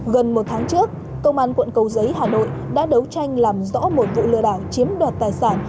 gần một tháng trước công an quận cầu giấy hà nội đã đấu tranh làm rõ một vụ lừa đảo chiếm đoạt tài sản